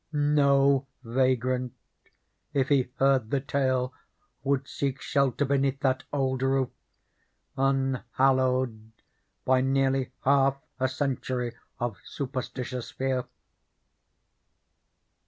No vagrant, if he heard the tale, would seek shelter beneath that old roof, unhallowed by nearly half a century of superstitious fear.